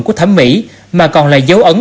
của thẩm mỹ mà còn là dấu ấn